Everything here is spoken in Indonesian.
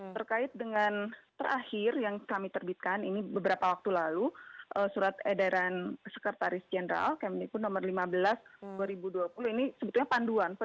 terkait dengan terakhir yang kami terbitkan ini beberapa waktu lalu surat edaran sekretaris jenderal kemenikun nomor lima belas dua ribu dua puluh ini sebetulnya panduan